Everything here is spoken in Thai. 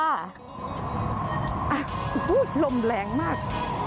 โอ้โหลมแรงมาก